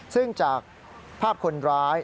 ซึ่งจากภาพคนร้าย